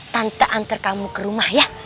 tanpa antar kamu ke rumah ya